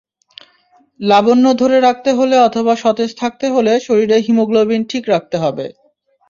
লাবণ্য ধরে রাখতে হলে অথবা সতেজ থাকতে হলে শরীরে হিমোগ্লোবিন ঠিক রাখতে হবে।